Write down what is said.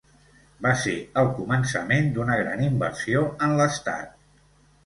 Va ser el començament d'una gran inversió en l'estat.